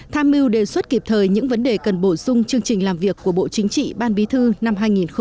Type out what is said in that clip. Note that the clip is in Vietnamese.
tham mưu đề xuất kịp thời những vấn đề cần bổ sung chương trình làm việc của bộ chính trị ban bí thư năm hai nghìn một mươi chín